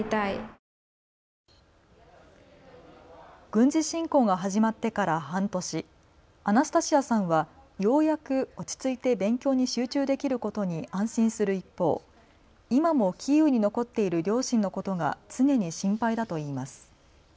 軍事侵攻が始まってから半年、アナスタシアさんはようやく落ち着いて勉強に集中できることに安心する一方、今もキーウに残っている両親のことが常に心配だといいます。